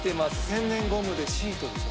天然ゴムでシートでしょ。